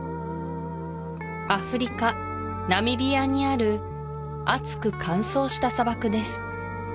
アフリカナミビアにある熱く乾燥した砂漠です